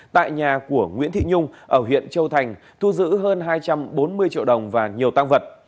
tại nhà của nguyễn thị nhung ở huyện châu thành thu giữ hơn hai trăm bốn mươi triệu đồng và nhiều tăng vật